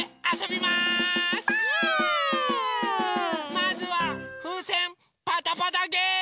まずはふうせんパタパタゲーム！